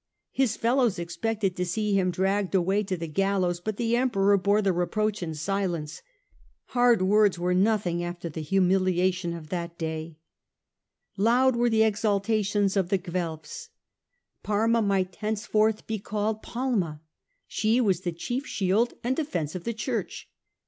His fellows expected to see him dragged away to the gallows, but the Emperor bore the reproach in silence. Hard words were nothing after the humiliation of that day. Loud were the exultations of the Guelfs. Parma THE GATHERING OF THE CLOUDS 263 might henceforth be called Palma : she was the chief shield and defence of the Church.